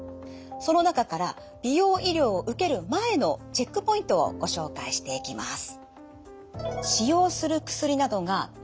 その中から美容医療を受ける前のチェックポイントをご紹介していきます。